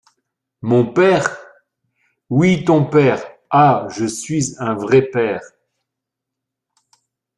Mon père ! Oui, ton père ! Ah ! je suis un vrai père.